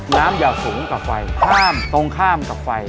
น้ำอย่าสูงกับไฟห้ามตรงข้ามกับไฟ